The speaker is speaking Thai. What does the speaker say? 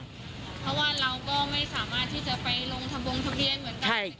เพราะว่าเราก็ไม่สามารถที่จะไปลงทะบงทะเบียนเหมือนกัน